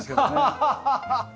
ハハハハッ！